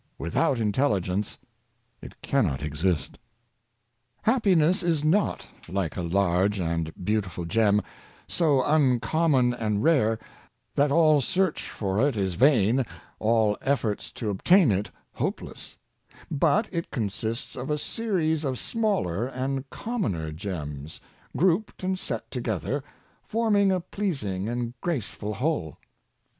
Without intelligence it cannot exist. Happiness is not, like a large and beautiful gem, so uncommon and rare that all search for it is vain, all efforts to obtain it hopeless; but it consists of a series of smaller and commoner gems, grouped and set to gether, forming a pleasing and graceful whole.